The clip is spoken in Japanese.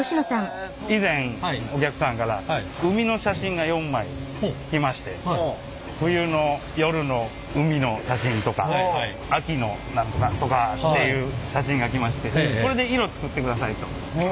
以前お客さんから海の写真が４枚来まして冬の夜の海の写真とか秋の何とかとかっていう写真が来ましてこれで色作ってくださいと。